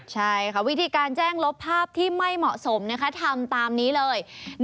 ใช่ค่ะวิธีการแจ้งลบภาพที่ไม่เหมาะสมทำตามนี้เลย